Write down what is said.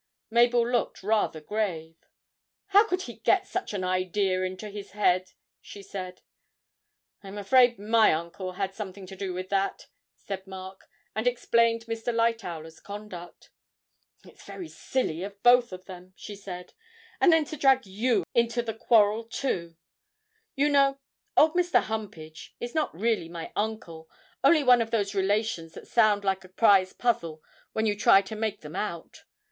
Mabel looked rather grave. 'How could he get such an idea into his head?' she said. 'I'm afraid my uncle had something to do with that,' said Mark, and explained Mr. Lightowler's conduct. 'It's very silly of both of them,' she said; 'and then to drag you into the quarrel, too! You know, old Mr. Humpage is not really my uncle only one of those relations that sound like a prize puzzle when you try to make them out.